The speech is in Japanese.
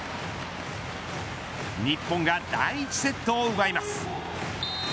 日本が第１セットを奪います。